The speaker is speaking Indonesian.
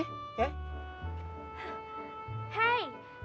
maafin abang ya ya